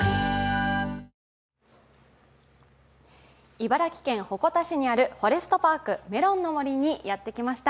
茨城県鉾田市にあるフォレストパークメロンの森にやってきました。